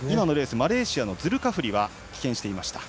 マレーシアのズルカフリは棄権していました。